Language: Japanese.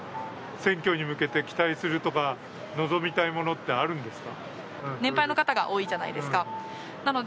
選挙に向けて期待するとか望みたいものってあるんですか。